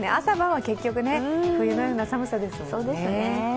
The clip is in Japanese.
朝晩は結局、冬のような寒さですもんね。